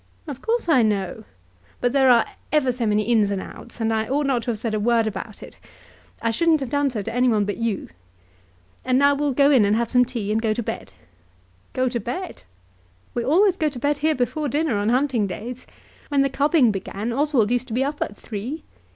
"Of course I know; but there are ever so many ins and outs, and I ought not to have said a word about it. I shouldn't have done so to any one but you. And now we'll go in and have some tea, and go to bed." "Go to bed!" "We always go to bed here before dinner on hunting days. When the cubbing began Oswald used to be up at three."